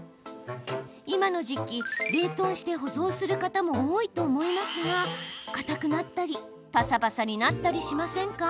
今の時期冷凍して保存する方も多いと思いますがかたくなったりパサパサになったりしませんか？